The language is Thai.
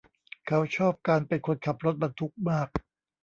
เขาชอบการเป็นคนขับรถบรรทุกมาก